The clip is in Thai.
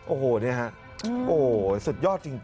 โอ้โหเนี่ยครับโอ้โหสุดยอดจริง